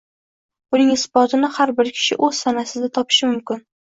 Buning isbotini har bir kishi o’z tanasida topishi mumkin